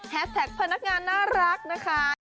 แท็กพนักงานน่ารักนะคะ